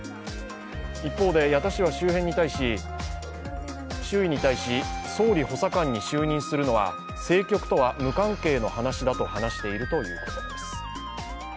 一方で、矢田氏は周囲に対し総理補佐官に就任するのは政局とは無関係の話だと話しているということです。